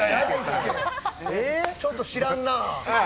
ちょっと知らんな。